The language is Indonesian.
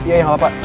iya ya gak apa apa